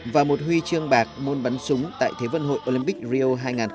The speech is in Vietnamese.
và một huy chương bạc môn bắn súng tại thế vận hội olympic rio hai nghìn một mươi sáu